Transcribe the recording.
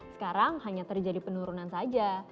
sekarang hanya terjadi penurunan saja